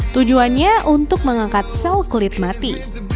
tujuannya untuk mengangkat sel kulit mati